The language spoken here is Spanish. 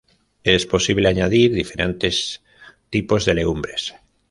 Es posible añadir diferentes tipos de legumbres.